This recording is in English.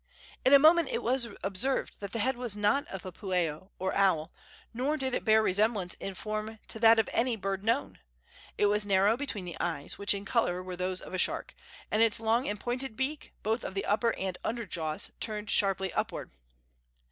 In a moment it was observed that the head was not of a pueo, or owl; nor did it bear resemblance in form to that of any bird known. It was narrow between the eyes, which in color were those of a shark, and its long and pointed beak, both of the upper and under jaws, turned sharply upward.